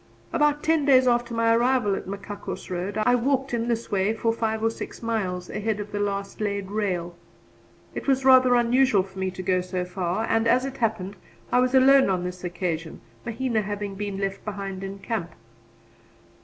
About ten days after my arrival at Machakos Road I walked in this way for five or six miles ahead of the last laid rail. It was rather unusual for me to go so far, and, as it happened, I was alone on this occasion, Mahina having been left behind in camp.